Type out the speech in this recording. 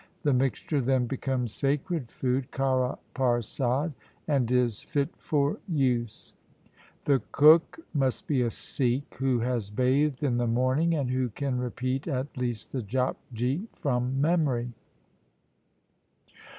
The mixture then becomes sacred food (karah parsad) and is fit for use.' 1 The cook must be a Sikh who has bathed in the morning and who can repeat at least the Japji from memory.